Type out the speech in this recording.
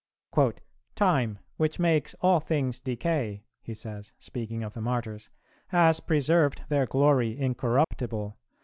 "Time, which makes all things decay," he says, speaking of the Martyrs, "has preserved their glory incorruptible.